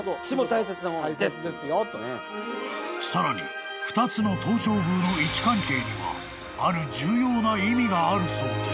［さらに２つの東照宮の位置関係にはある重要な意味があるそうで］